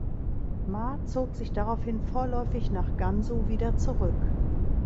Ma zog sich daraufhin vorläufig nach Gansu wieder zurück.